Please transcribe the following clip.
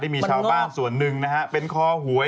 มีชาวบ้านส่วนนึงเป็นคอหวย